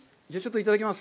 いただきます。